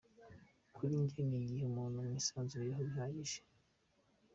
Kuri njye ni igihe umuntu mwisanzuraho bihagije”.